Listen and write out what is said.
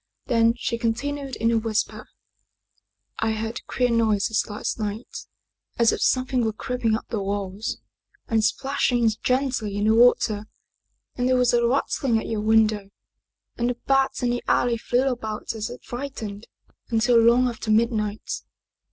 Then she continued in a whisper, " I heard queer noises last night as if something were creeping up the walls and splashing gently in the water and there was a rattling at your window and the bats in the alley flew about as if frightened, until long after midnight.